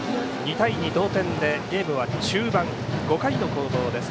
２対２同点でゲームは中盤５回の攻防です。